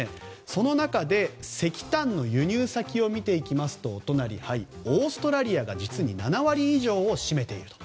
その中で、石炭の輸入先を見るとオーストラリアが実に７割以上を占めていると。